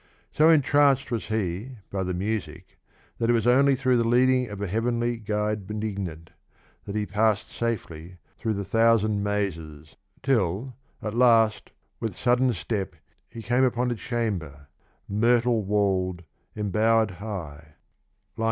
So entranced was he by the music that it was only through the leading of '' a heavenly guide benignant " that he passed safely through a thousand mazes till Venus ana At last, with sudden step, he came upon ■^^°°'' A chamber, myrtle wall'd, embower'd high, (II.